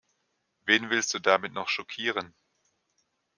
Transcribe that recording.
Wen willst du damit noch schockieren?